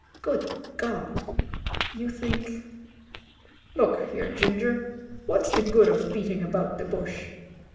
"Good God ! you think ..." "Look here. Ginger, what's the good of beating about the bush.